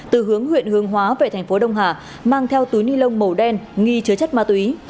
từ hướng huyện hương hóa về thành phố đông hà mang theo túi ni lông màu đen nghi chứa chất ma túy